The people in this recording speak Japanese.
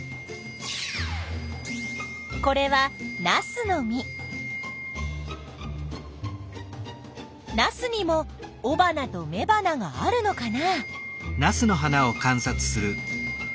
これはナスにもおばなとめばながあるのかな？